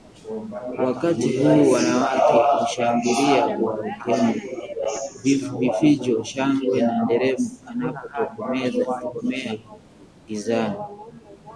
Wakati huu wanawake hushangilia kwa ukemi, vifijo, shangwe na nderemo anapotokomea gizani